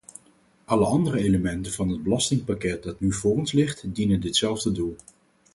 Alle andere elementen van het belastingpakket dat nu voor ons ligt, dienen ditzelfde doel.